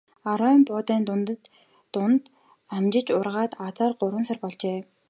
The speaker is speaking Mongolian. Арвай буудай дунд амжиж ургаад азаар гурван сар болжээ.